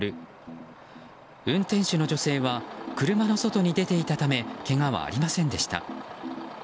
運転手の女性は車の外に出ていたためけがはありませんでした。